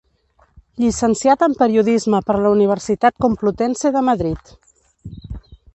Llicenciat en Periodisme per la Universitat Complutense de Madrid.